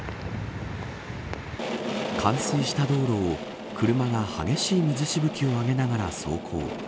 冠水した道路を車が激しい水しぶきを上げながら走行。